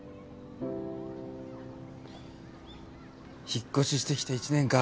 引っ越ししてきて１年か。